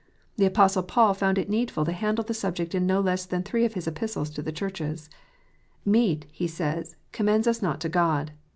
The Apostle Paul found it needful to handle the subject in no less than three of his Epistles to the Churches. "Meat," he says, "commends us not to God."